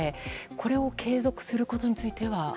これを継続することについては。